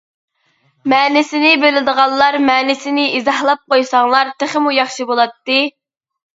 مەنىسىنى بىلىدىغانلار مەنىسىنى ئىزاھلاپ قويساڭلار تېخىمۇ ياخشى بۇلاتتى.